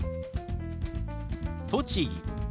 「栃木」。